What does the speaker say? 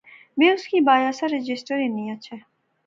میں اُُس کی بایا سا رجسٹر ہنی اچھے